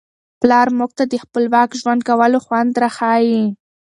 پلار موږ ته د خپلواک ژوند کولو خوند را ښيي.